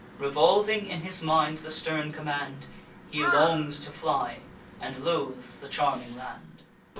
Revolving in his mind the stern command, He longs to fly, and loathes the charming land.